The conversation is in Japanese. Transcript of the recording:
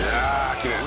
きれい」